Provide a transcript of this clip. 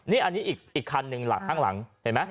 นี่อันนี้อีกคันหนึ่งล่ะข้างหลังเห็นไหม